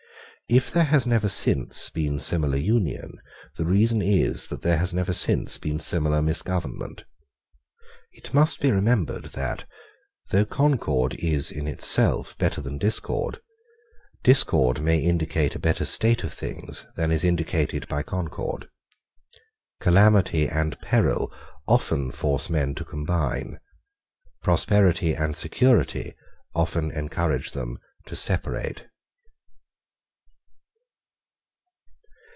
If there has never since been similar union, the reason is that there has never since been similar misgovernment. It must be remembered that, though concord is in itself better than discord, discord may indicate a better state of things than is indicated by concord. Calamity and peril often force men to combine. Prosperity and security often encourage them to separate.